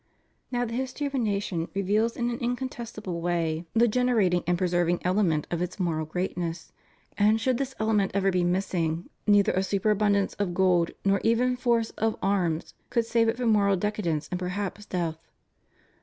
Now the history of a nation reveals in an incontestable way the generating and preserving element of its moral greatness, and should this element ever be missing, neither a superabundance of gold nor even force of arms could save it from moral decadence and perhaps death.